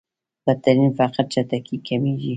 بدترين فقر چټکۍ کمېږي.